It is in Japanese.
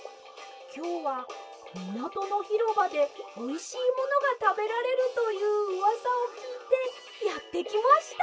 きょうはみなとのひろばでおいしいものがたべられるといううわさをきいてやってきました！